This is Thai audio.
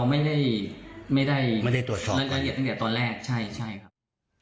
มันจะเหยียบตั้งแต่ตอนแรกใช่ครับ